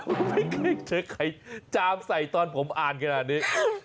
ไม่เคยใครจาบใส่ตอนผมอ่านแครงนี้